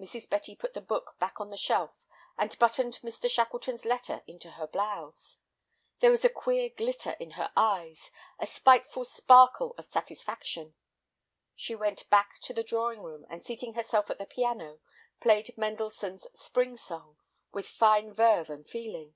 Mrs. Betty put the book back on the shelf, and buttoned Mr. Shackleton's letter into her blouse. There was a queer glitter in her eyes, a spiteful sparkle of satisfaction. She went back to the drawing room, and seating herself at the piano, played Mendelssohn's "Spring Song" with fine verve and feeling.